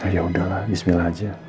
ya udahlah bismillah aja